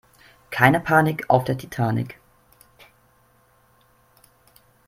Keine Panik auf der Titanic